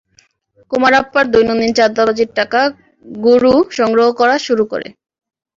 কুমারাপ্পার দৈনন্দিন চাঁদাবাজির টাকা গুরু সংগ্রহ করা শুরু করে।